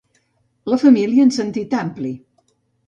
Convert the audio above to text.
La família en sentit ampli.